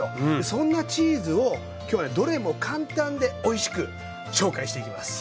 そんなチーズを今日はねどれも簡単でおいしく紹介していきます。